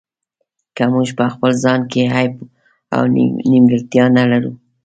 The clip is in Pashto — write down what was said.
که موږ په خپل ځان کې عیب او نیمګړتیا نه لرو.